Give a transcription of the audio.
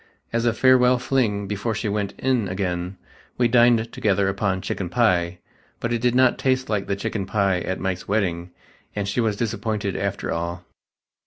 As a farewell fling before she went "in" again, we dined together upon chicken pie, but it did not taste like the "the chicken pie at Mike's wedding" and she was disappointed after all.